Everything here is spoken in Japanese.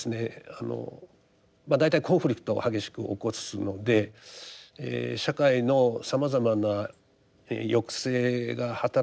あの大体コンフリクトを激しく起こすので社会のさまざまな抑制が働く場合が多い。